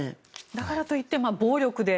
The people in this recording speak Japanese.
だからといって暴力で。